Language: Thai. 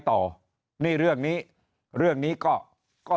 ต่อนี่เรื่องนี้เรื่องนี้ก็ก็